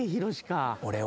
俺は。